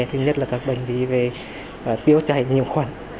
thì nhất là các bệnh lý về tiêu chảy nhiều khoản